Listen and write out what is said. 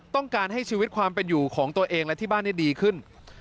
ต้องการให้ชีวิตความเป็นอยู่ของตัวเองและที่บ้านดีขึ้น